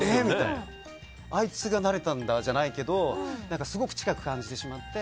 あいつがなれたんだじゃないけどすごく近く感じてしまって。